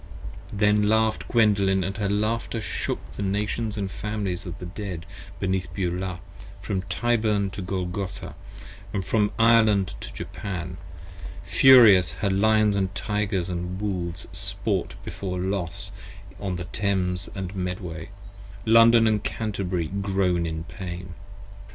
Then laugh'd Gwendolen, & her laughter shook the Nations & Familys of The Dead beneath Beulah, from Tyburn to Golgotha, and from Ireland to Japan: furious her Lions & Tygers & Wolves sport before 35 Los on the Thames & Medway: London & Canterbury groan in pain.